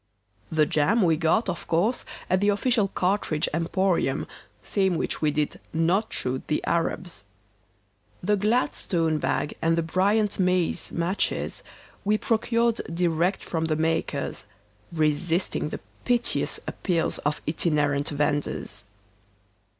The jam we got, of course, at the official cartridge emporium, same which we did not shoot the Arabs. The Gladstone bag and the Bryant & May's matches we procured direct from the makers, resisting the piteous appeals of itinerant vendors.